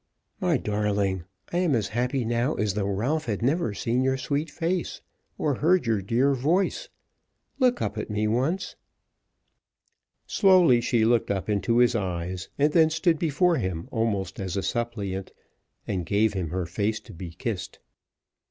"My darling, I am as happy now as though Ralph had never seen your sweet face, or heard your dear voice. Look up at me once." Slowly she looked up into his eyes, and then stood before him almost as a suppliant, and gave him her face to be kissed.